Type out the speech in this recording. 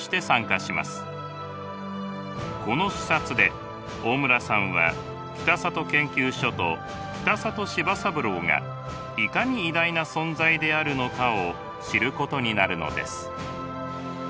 この視察で大村さんは北里研究所と北里柴三郎がいかに偉大な存在であるのかを知ることになるのです。